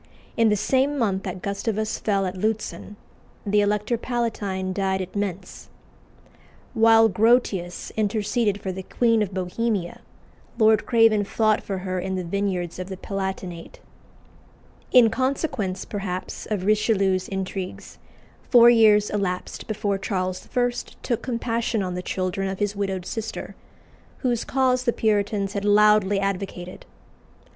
In the same month that Gustavus fell at Lutzen, the Elector Palatine died at Mentz. While Grotius interceded for the Queen of Bohemia, Lord Craven fought for her in the vineyards of the Palatinate. In consequence, perhaps, of Richelieu's intrigues, four years elapsed before Charles I. took compassion on the children of his widowed sister, whose cause the Puritans had loudly advocated.